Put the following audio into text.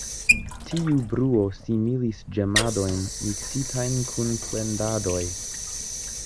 Tiu bruo similis ĝemadojn miksitajn kun plendadoj.